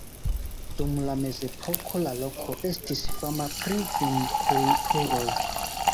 Dum la mezepoko la loko estis fama pri vinkulturo.